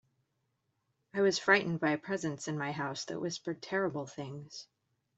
I was frightened by a presence in my house that whispered terrible things.